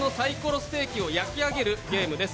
ステーキを焼き上げるゲームです。